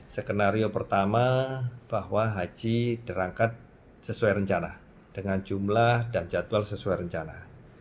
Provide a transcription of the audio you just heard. skenario pertama bahwa haji berangkat sesuai rencana dengan jumlah dan jadwal sesuai rencana